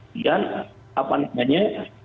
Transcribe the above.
dan apa namanya